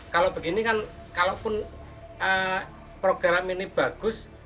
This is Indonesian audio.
kalau begini kan kalaupun program ini bagus tapi kemudian dibaca orang ini menjadi program ini